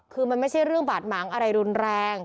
คือมันไม่ใช่เรื่องบาดหมางอะไรรุนแรง